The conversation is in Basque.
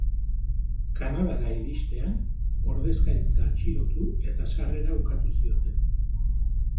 Kanadara iristean, ordezkaritza atxilotu eta sarrera ukatu zioten.